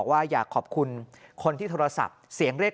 เพราะคนที่เป็นห่วงมากก็คุณแม่ครับ